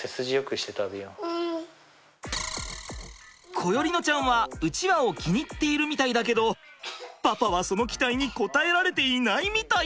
心縁乃ちゃんはうちわを気に入っているみたいだけどパパはその期待に応えられていないみたい。